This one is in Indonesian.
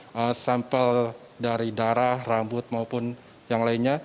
jadi sampel dari darah rambut maupun yang lainnya